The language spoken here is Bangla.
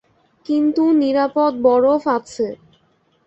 কিন্তু নিরাপদ বরফ আছে।